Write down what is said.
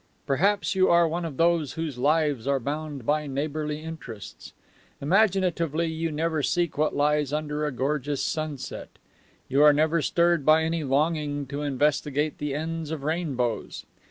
Perhaps you are one of those whose lives are bound by neighbourly interests. Imaginatively, you never seek what lies under a gorgeous sunset; you are never stirred by any longing to investigate the ends of rainbows.